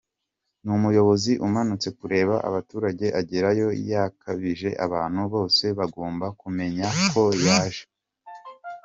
N’umuyobozi umanutse kureba abaturage agerayo yakabije abantu bose bagomba kumenya ko yaje.